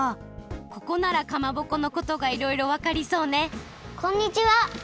ここならかまぼこのことがいろいろわかりそうねこんにちは。